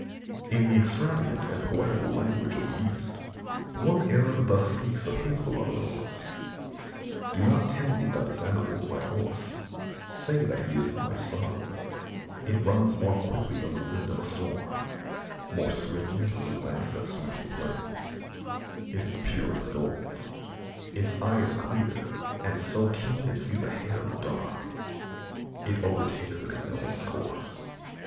In the extravagant and poetical language of the East, one Arab thus speaks of his beloved Horse: "Do not tell me that this animal is my horse, say that he is my son. It runs more quickly than the wind of a storm, more swiftly than the glance that sweeps the plains. It is pure as gold. Its eye is clear and so keen that it sees a hair in the dark. It overtakes the gazelle in its course.